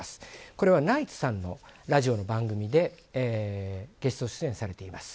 これはナイツさんのラジオの番組でゲスト出演されています。